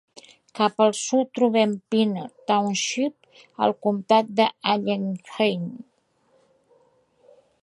Cap al sud trobem Pine Township, al Comptat d'Allegheny.